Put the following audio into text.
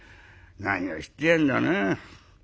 何をしてやんだかな。